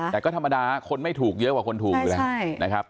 แต่ก็ธรรมดาคนไม่ถูกเยอะกว่าคนถูกอยู่แล้วนะครับ